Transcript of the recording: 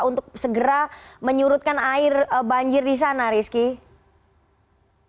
untuk segera menyurutkan air banjir di sana rizky